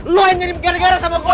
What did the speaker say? lo yang nyari begara gara sama gue